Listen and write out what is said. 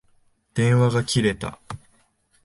電話が切れた。